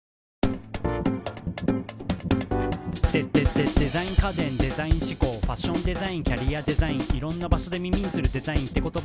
「デデデデザイン家電デザイン思考」「ファッションデザインキャリアデザイン」「いろんな場所で耳にするデザインって言葉」